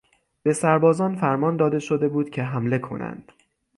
به سربازان فرمان داده شده بوده که حمله کنند.